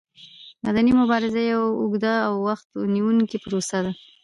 مدني مبارزه یوه اوږده او وخت نیوونکې پروسه ده.